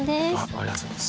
ありがとうございます。